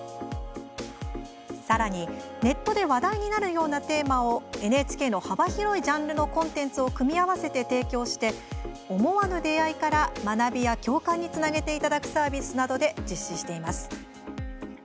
さらに、ネットで話題になるようなテーマをＮＨＫの幅広いジャンルのコンテンツを組み合わせて提供して思わぬ出会いから学びや共感につなげていただくサービスなどで実施しています。